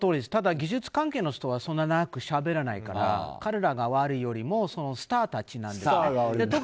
ただ、技術関係の人はそんなに長くしゃべらないから彼らが悪いというよりもスターたちなんですね。